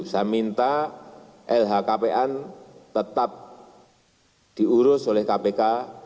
saya minta lhkpn tetap diurus oleh kpk